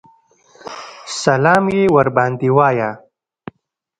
سلام یې ورباندې وایه.